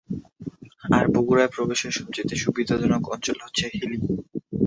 আর বগুড়ায় প্রবেশের সবচাইতে সুবিধাজনক অঞ্চল হচ্ছে "হিলি"।